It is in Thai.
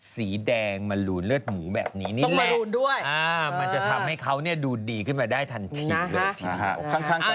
สีแดงมรูห์นเลือดหมูแบบนี้ต้องมาลูนด้วยมันจะทำให้เขาดูดีได้ทันทีเลย